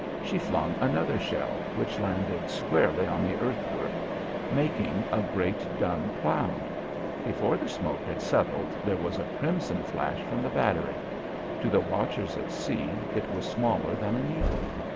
She flung another shell, which landed squarely on the earth work, making a great dun cloud. Before the smoke had settled, there was a crimson flash from the battery. To the watchers at sea, it was smaller than a needle.